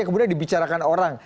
kemudian dibicarakan orang